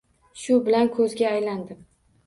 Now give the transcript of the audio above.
Shu bilan ko’zga aylandim.